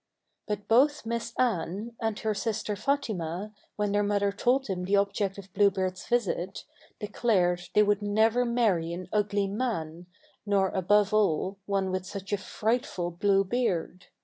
But both Miss Anne, and her sister Fatima, when their mother told them the object of Blue Beard's visit, declared they would never marry an ugly man, nor, above all, one with such a frightful blue beard.